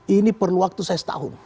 ini perlu waktu saya setahun